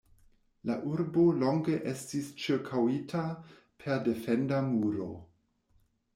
La urbo longe estis ĉirkaŭita per defenda muro.